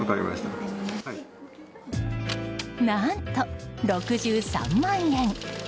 何と６３万円。